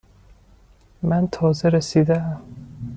من تازه رسیده ام.